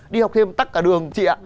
đi học thêm tắt cả đường chị ạ